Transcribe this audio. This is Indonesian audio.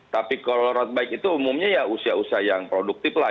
tapi kalau road bike itu umumnya ya usia usia yang produktif lah